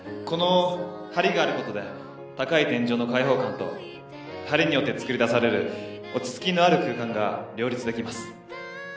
この梁があることで高い天井の開放感と梁によってつくりだされる落ち着きのある空間が両立できます。